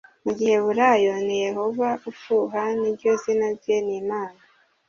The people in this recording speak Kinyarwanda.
mu giheburayo ni yehova ufuha ni ryo zina rye ni imana